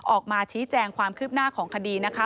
ออกมาชี้แจงความคืบหน้าของคดีนะคะ